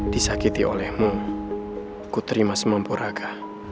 disakiti olehmu ku terima semampu raga